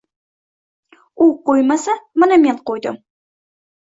U qo‘ymasa, mana man qo‘ydim!